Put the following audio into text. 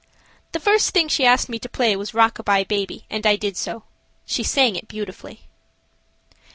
The first thing she asked me to play was "Rock a bye Baby," and I did so. She sang it beautifully.